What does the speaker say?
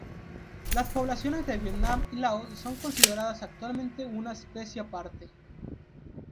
Las poblaciones de Vietnam y Laos son consideradas actualmente una especie aparte.